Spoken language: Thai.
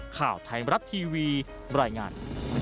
ข่าวไทยมรัฐทีวีบรรยายงาน